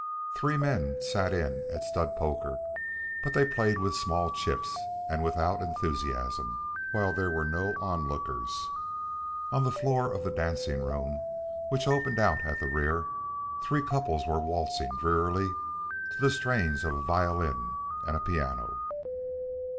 Three men sat in at stud poker, but they played with small chips and without enthusiasm, while there were no onlookers. On the floor of the dancing room, which opened out at the rear, three couples were waltzing drearily to the strains of a violin and a piano.